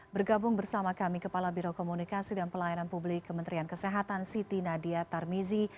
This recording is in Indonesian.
bergabung bersama kami kepala biro komunikasi dan pelayanan publik kementerian kesehatan siti nadia tarmizi